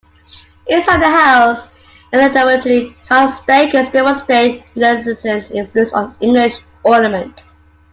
Inside the house, the elaborately carved staircase demonstrates the Renaissance influence on English ornament.